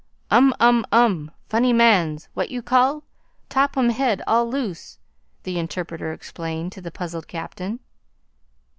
"Um um um funny mans what you call? top um head all loose," the interpreter explained to the puzzled captain.